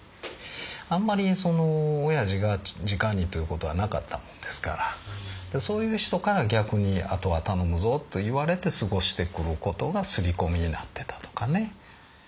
あんまりそのおやじがじかにという事はなかったもんですからそういう人から逆に後は頼むぞと言われて過ごしてくる事が刷り込みになってたとかね。